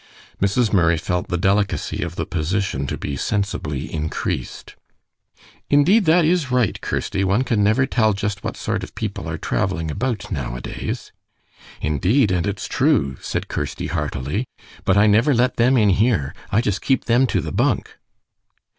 Mrs. Murray felt the delicacy of the position to be sensibly increased. "Indeed, that is right, Kirsty; one can never tell just what sort of people are traveling about nowadays." "Indeed, and it's true," said Kirsty, heartily, "but I never let them in here. I just keep them to the bunk."